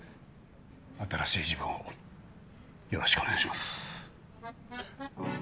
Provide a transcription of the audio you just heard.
新しい自分をよろしくお願いします。